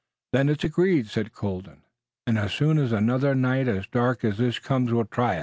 "Then it's agreed," said Colden, "and as soon as another night as dark as this comes we'll try it."